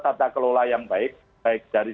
tata kelola yang baik baik dari